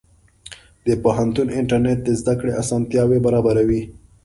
د پوهنتون انټرنېټ د زده کړې اسانتیا برابروي.